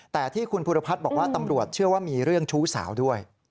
แต่ที่คุณภูริพัฒน์บอกว่าตำรวจเชื่อว่ามีเรื่องชู้สาวด้วย